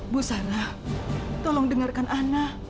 bu sarah tolong dengarkan ana